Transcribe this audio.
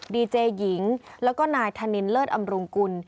ดีเจหญิงแล้วก็นายธนินเลิศอำรุงกุล